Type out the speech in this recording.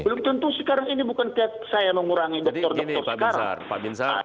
belum tentu sekarang ini bukan saya mengurangi belum tentu sekarang ini bukan saya mengurangi